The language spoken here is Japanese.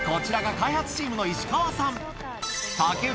こちらが開発チームの石川さん。